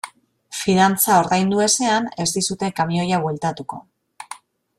Fidantza ordaindu ezean ez dizute kamioia bueltatuko.